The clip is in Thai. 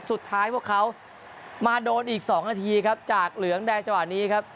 สุดท้ายพวกเขามาโดนอีกสองนาทีครับจากเหลืองได้จังหวัดนี้ครับ